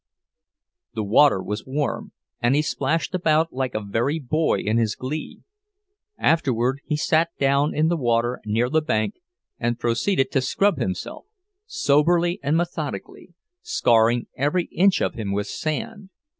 The water was warm, and he splashed about like a very boy in his glee. Afterward he sat down in the water near the bank, and proceeded to scrub himself—soberly and methodically, scouring every inch of him with sand.